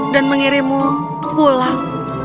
dan mengirimmu pulang